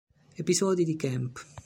Episodi di Camp